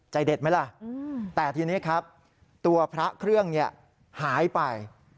ใจเด็ดไหมล่ะแต่ทีนี้ครับตัวพระเครื่องหายไป